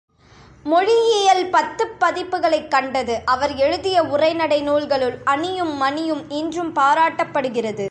மொழியியல் பத்துப் பதிப்புகளைக் கண்டது அவர் எழுதிய உரைநடை நூல்களுள் அணியும் மணியும் இன்றும் பாராட்டப்படுகிறது.